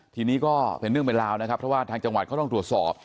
ทีนี้ก็เป็นเรื่องเป็นราวนะครับเพราะว่าทางจังหวัดเขาต้องตรวจสอบ